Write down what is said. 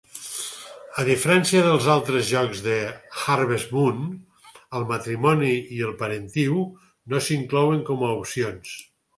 A diferència dels altres jocs de Harvest Moon, el matrimoni i el parentiu no s'inclouen com a opcions.